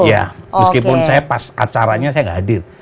ya meskipun saya pas acaranya saya gak hadir